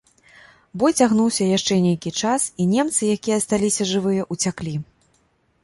Бой цягнуўся яшчэ нейкі час, і немцы, якія асталіся жывыя, уцяклі.